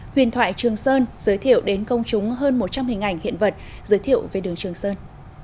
huyền thoại trường sơn giới thiệu đến công chúng hơn một trăm linh hình ảnh hiện vật giới thiệu về đường trường sơn